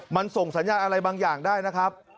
มันส่งสัญญาณอะไรบางอย่างได้นะครับ